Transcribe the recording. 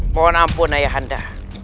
mohon ampun ayahanda